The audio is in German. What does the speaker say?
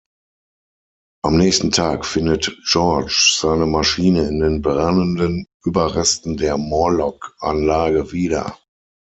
Am nächsten Tag findet George seine Maschine in den brennenden Überresten der Morlock-Anlage wieder.